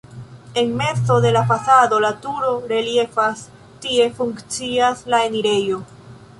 En mezo de la fasado la turo reliefas, tie funkcias la enirejo.